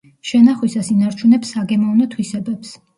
შენახვისას ინარჩუნებს საგემოვნო თვისებებს.